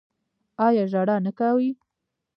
ایا ژړا نه کوي؟